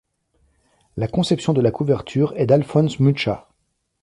La conception de la couverture est d'Alfons Mucha.